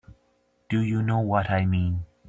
Do you know what I mean?